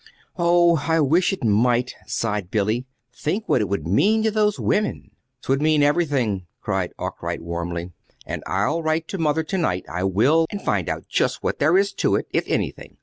"Oh, I wish it might," sighed Billy. "Think what it would mean to those women!" "'Twould mean everything," cried Arkwright, warmly; "and I'll write to mother to night, I will, and find out just what there is to it if anything.